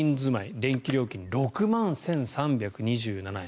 電気料金、６万１３２７円。